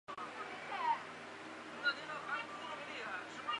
黎培銮家族对近现代文化科技事业发挥了深远的影响。